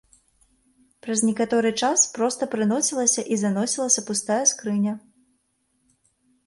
Праз некаторы час проста прыносілася і заносілася пустая скрыня.